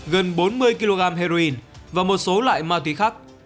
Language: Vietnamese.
gần bốn mươi kg heroin và một số loại ma túy khác